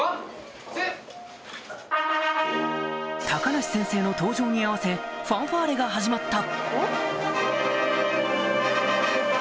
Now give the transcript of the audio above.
梨先生の登場に合わせファンファーレが始まった